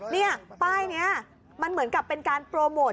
นี่ป้ายนี้มันเหมือนกับเป็นการโปรโมท